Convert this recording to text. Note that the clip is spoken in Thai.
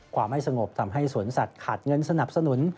ความไม่สงบทำให้สวนสัตว์ขาดเงินสนับสนุน